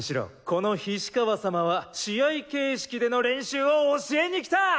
この菱川様は試合形式での練習を教えに来た！